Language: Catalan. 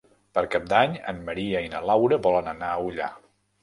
Per Cap d'Any en Maria i na Laura volen anar a Ullà.